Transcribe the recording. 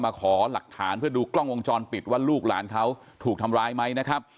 ขอหลักฐานเพื่อดูกล้องวงจรปิดว่าลูกหลานเขาถูกทำร้ายไหมนะครับ